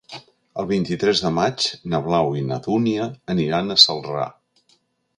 El vint-i-tres de maig na Blau i na Dúnia aniran a Celrà.